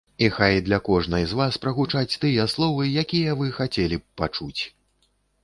І хай для кожнай з вас прагучаць тыя словы, якія вы хацелі б пачуць!